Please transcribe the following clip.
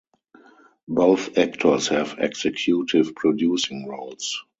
Both actors have executive producing roles.